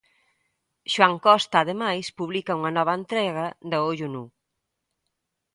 Xoán Costa, ademais, publica unha nova entrega de "A ollo nu".